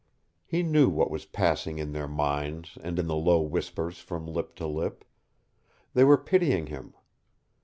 He knew what was passing in their minds and in the low whispers from lip to lip. They were pitying him.